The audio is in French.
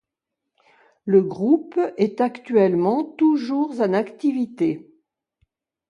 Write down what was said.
Le groupe est actuellement toujours en activité.